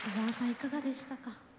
いかがでしたか。